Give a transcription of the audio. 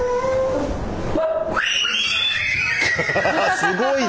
すごいな。